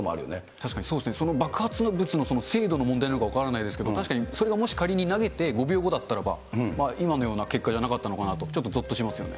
確かにそうですよね、その爆発物の精度の問題なのか分からないですけれども、確かにそれがもし仮に５秒後だったらば、今のような結果じゃなかったのかなと、ぞっとしますよね。